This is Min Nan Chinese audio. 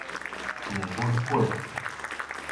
麵粉粿